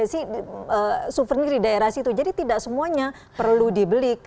apa saja sih souvenir di daerah situ jadi tidak semuanya perlu dibelik